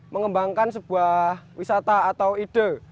mengembangkan sebuah wisata atau ide